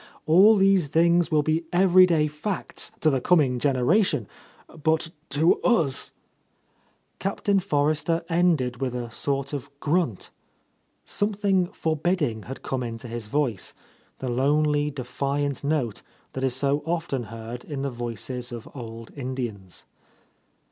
All these things will be every day facts to the coming generation, but to us —" Captain Forrester ended with a sort of grunt. Something forbidding had come into his voice, the lonely, defiant note that is so often heard in the voices of old Indians.